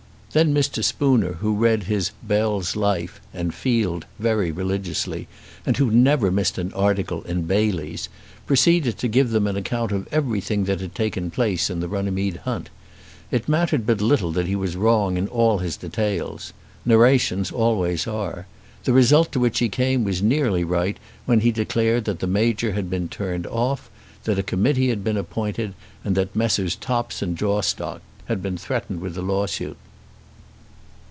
Then Mr. Spooner, who read his "Bell's Life" and "Field" very religiously, and who never missed an article in "Bayley's," proceeded to give them an account of everything that had taken place in the Runnymede Hunt. It mattered but little that he was wrong in all his details. Narrations always are. The result to which he came was nearly right when he declared that the Major had been turned off, that a committee had been appointed, and that Messrs. Topps and Jawstock had been threatened with a lawsuit.